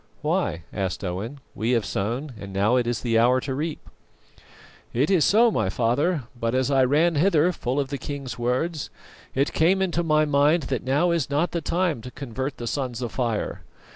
"Why?" asked Owen. "We have sown, and now is the hour to reap." "Quite so, my father, but as I ran hither, full of the king's words, it came into my mind that now is not the time to convert the Sons of Fire.